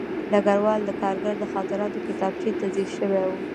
ډګروال د کارګر د خاطراتو کتابچې ته ځیر شوی و